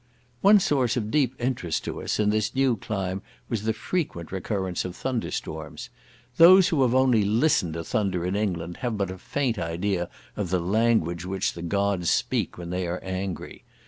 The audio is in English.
One source of deep interest to us, in this new clime, was the frequent recurrence of thunderstorms. Those who have only listened to thunder in England have but a faint idea of the language which the gods speak when they are angry.